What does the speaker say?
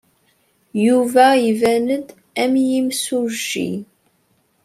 Yuba iban-d am yimsujji.